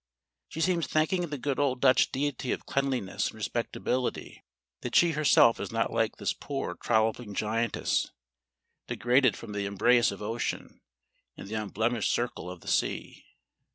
She seems thanking the good old Dutch Deity of cleanliness and respectability that she herself is not like this poor trolloping giantess, degraded from the embrace of ocean and the unblemished circle of the sea.